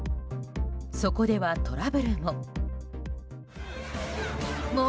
そこではトラブルも。